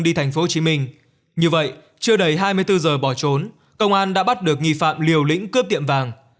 đi thành phố hồ chí minh như vậy chưa đầy hai mươi bốn giờ bỏ trốn công an đã bắt được nghi phạm liều lĩnh cướp tiệm vàng